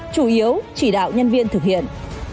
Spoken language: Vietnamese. chủ yếu chỉ đạo nhân viên thực hiện